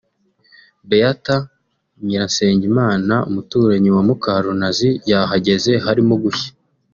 Beatha Nyiransengimana umuturanyi wa Mukarunazi yahageze harimo gushya